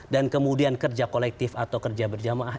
dan kemudian kerja kolektif atau kerja berjamaah